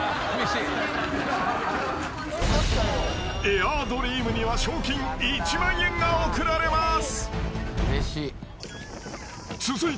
［エア・ドリームには賞金１万円がおくられます］